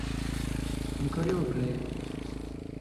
همکاري وکړئ.